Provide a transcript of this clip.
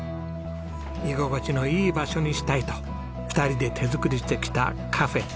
居心地のいい場所にしたいと２人で手作りしてきたカフェＰＯＵＮＤ。